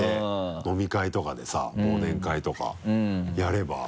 飲み会とかでさ忘年会とかやれば。